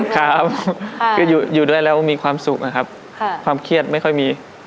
ครับก็อยู่ด้วยแล้วมีความสุขนะครับความเครียดไม่ค่อยมี